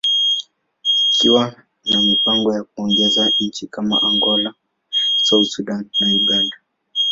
ikiwa na mipango ya kuongeza nchi kama Angola, South Sudan, and Uganda.